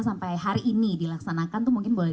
sampai hari ini dilaksanakan tuh mungkin boleh